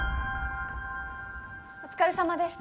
お疲れさまです。